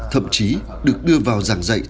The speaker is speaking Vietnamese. thậm chí được đưa vào giảng dạy